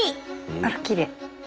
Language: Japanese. あらきれい。